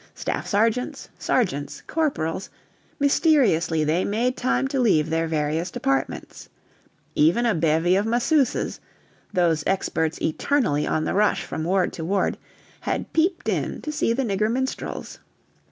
Staff Sergeants, Sergeants, Corporals mysteriously they made time to leave their various departments. Even a bevy of masseuses (those experts eternally on the rush from ward to ward) had peeped in to see the nigger minstrels.